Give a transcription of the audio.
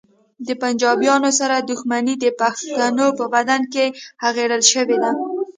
د پنجابیانو سره دښمني د پښتنو په بدن کې اغږل شوې ده